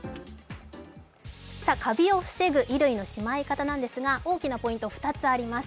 カビを防ぐ衣類のしまい方なんですが大きなポイント、２つあります。